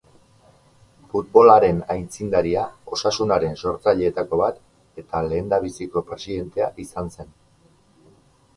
Futbolaren aitzindaria, Osasunaren sortzaileetako bat eta lehendabiziko presidentea izan zen.